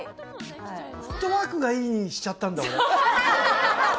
「フットワークがいい！」にしちゃったんだ俺。